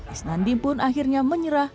isnandi pun akhirnya menyerah